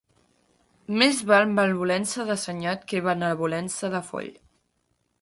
Més val malvolença d'assenyat que benvolença de foll.